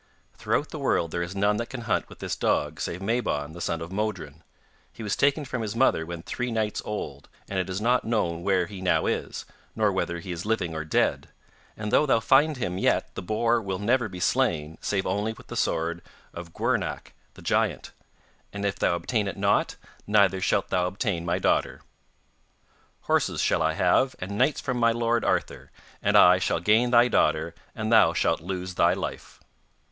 Throughout the world there is none that can hunt with this dog save Mabon the son of Modron. He was taken from his mother when three nights old, and it is not know where he now is, nor whether he is living or dead, and though thou find him yet the boar will never be slain save only with the sword of Gwrnach the giant, and if thou obtain it not neither shalt thou obtain my daughter.' 'Horses shall I have, and knights from my lord Arthur. And I shall gain thy daughter, and thou shalt lose thy life.